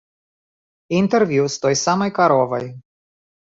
І інтэрв'ю з той самай каровай.